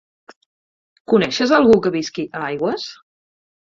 Coneixes algú que visqui a Aigües?